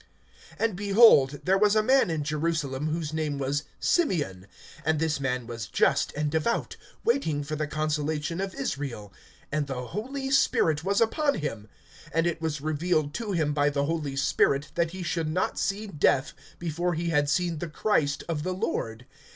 (25)And, behold, there was a man in Jerusalem, whose name was Simeon; and this man was just and devout, waiting for the consolation of Israel; and the Holy Spirit was upon him, (26)And it was revealed to him by the Holy Spirit, that he should not see death, before he had seen the Christ of the Lord.